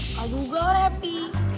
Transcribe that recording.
nih aku juga orang happy